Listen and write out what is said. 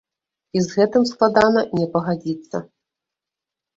І з гэтым складана не пагадзіцца!